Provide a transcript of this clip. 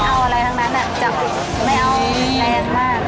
เอาอะไรทั้งนั้นน่ะจะไม่เอา